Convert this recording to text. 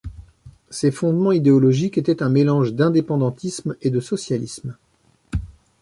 Ses fondements idéologiques étaient un mélange d'indépendantisme et de socialisme.